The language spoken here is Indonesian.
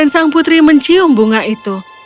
sang putri mencium bunga itu